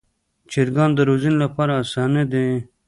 چرګان د روزنې لپاره اسانه دي.